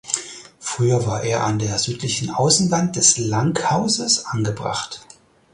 Früher war er an der südlichen Außenwand des Langhauses angebracht.